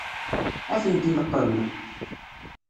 Ad tent-ileqqem?